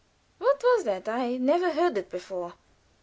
"What was that? I never heard it before."